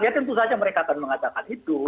ya tentu saja mereka akan mengatakan itu